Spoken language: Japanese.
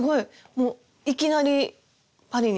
もういきなりパリに？